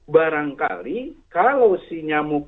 barangkali kalau si nyamuk